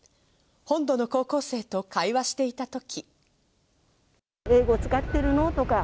本土の高校生と会話していた時。